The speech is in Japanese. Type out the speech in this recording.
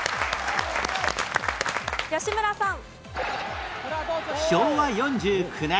吉村さん。